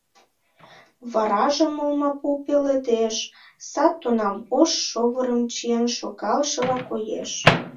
Варажым олмапу пеледеш, сад тунам ош шовырым чиен шогалшыла коеш.